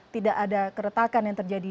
tidak ada keretakan yang terjadi